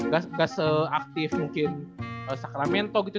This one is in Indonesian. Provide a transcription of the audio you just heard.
gak seaktif mungkin sakramento gitu